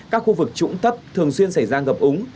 các khu vực trũng thấp thường xuyên xảy ra ngập úng